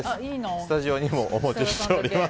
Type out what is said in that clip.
スタジオにもお持ちしております。